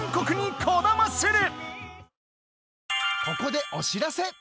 ［ここでお知らせ！］